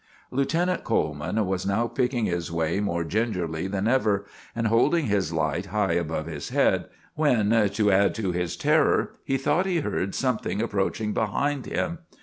Lieutenant Coleman was now picking his way more gingerly than ever, and holding his light high above his head, when, to add to his terror, he thought he heard something approaching behind him.